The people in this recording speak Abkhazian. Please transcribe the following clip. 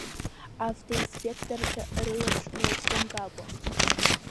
Автоинспеқторцәа рылаԥш ноухымгакәа.